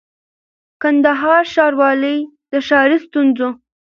کندهار ښاروالۍ د ښاري ستونزو